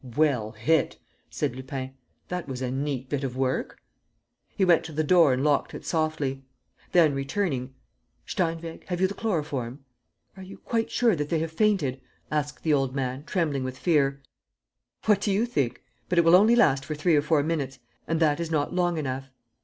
"Well hit!" said Lupin. "That was a neat bit of work." He went to the door and locked it softly. Then returning: "Steinweg, have you the chloroform?" "Are you quite sure that they have fainted?" asks the old man, trembling with fear. "What do you think! But it will only last for three or four minutes. ... And that is not long enough."